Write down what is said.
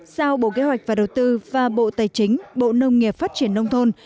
giao bộ kế hoạch và đầu tư và bộ tài chính bộ nông nghiệp phát triển nông thôn